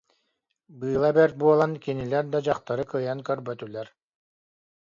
Быыла бэрт буолан, кинилэр да дьахтары кыайан көрбөтүлэр